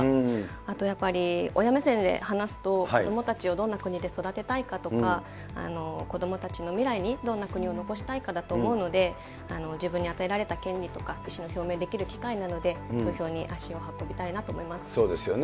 あとやっぱり、親目線で話すと子どもたちをどんな国で育てたいかとか、子どもたちの未来にどんな国を残したいかだと思うので、自分に与えられた権利とか、意思を表明できる機会なので、投票に足を運びそうですよね。